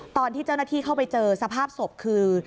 ตอนที่เจ้าหน้าที่เข้าไปเจอสภาพศพคือ